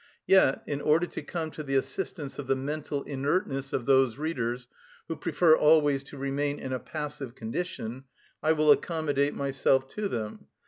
Yet, in order to come to the assistance of the mental inertness of those readers who prefer always to remain in a passive condition, I will accommodate myself to them.